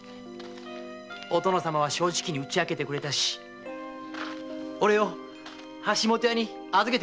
お殿様は正直に打ち明けてくれて俺を橋本屋に預けてくれた。